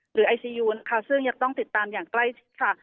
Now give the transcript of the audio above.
ไอซียูนค่ะซึ่งยังต้องติดตามอย่างใกล้ชิดค่ะ